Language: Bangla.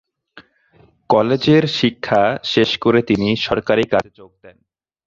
কলেজের শিক্ষা শেষ করে তিনি সরকারি কাজে যোগ দেন।